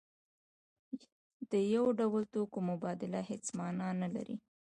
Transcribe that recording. د یو ډول توکو مبادله هیڅ مانا نلري.